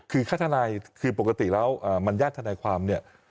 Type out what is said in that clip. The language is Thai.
คือค่าทนายคือปกติแล้วมันญาติทนายความเนี่ย